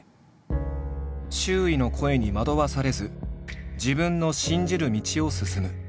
周囲の声に惑わされず自分の信じる道を進む。